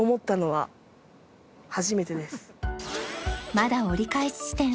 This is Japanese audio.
まだ折り返し地点